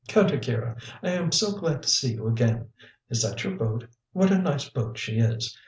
"Count Akira. I am so glad to see you again. Is that your boat? What a nice boat she is.